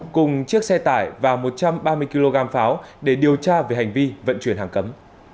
cùng chiếc xe tải và một trăm ba mươi kg pháo để điều tra về hành vi vận chuyển hàng cấm